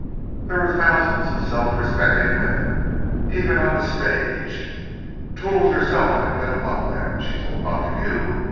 There were thousands of self respecting women, even on the stage; Toodles herself had been among them, she told Montague.